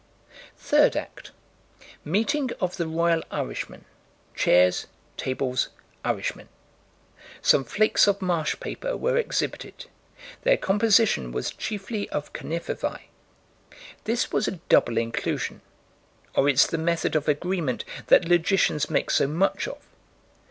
Third act: Meeting of the royal Irishmen: chairs, tables, Irishmen: Some flakes of marsh paper were exhibited. Their composition was chiefly of conifervæ. This was a double inclusion: or it's the method of agreement that logicians make so much of.